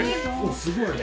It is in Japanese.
すごいね。